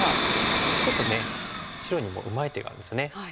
ちょっとね白にもうまい手があるんですね。